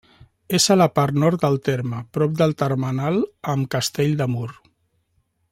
És a la part nord del terme, prop del termenal amb Castell de Mur.